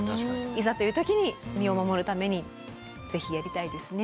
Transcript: いざという時に身を守るためにぜひやりたいですね。